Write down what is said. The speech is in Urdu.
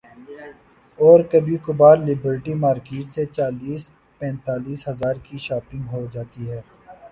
اورکبھی کبھار لبرٹی مارکیٹ سے چالیس پینتالیس ہزار کی شاپنگ ہو جاتی ہے۔